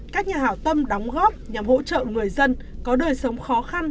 các nhà hảo tâm đóng góp nhằm hỗ trợ người dân có đời sống khó khăn